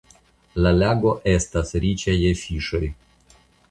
La lago estas riĉa je fiŝoj.